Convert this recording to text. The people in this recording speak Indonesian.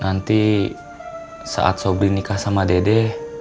nanti saat sobri nikah sama dede